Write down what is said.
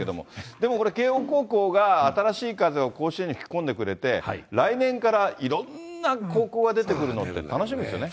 でもこれ、慶応高校が新しい風を甲子園に吹き込んでくれて、来年からいろんな高校が出てくるので、楽しみですよね。